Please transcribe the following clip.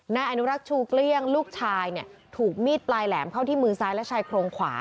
นายอนุรักษ์ชูเกลี้ยงลูกชายเนี่ยถูกมีดปลายแหลมเข้าที่มือซ้ายและชายโครงขวา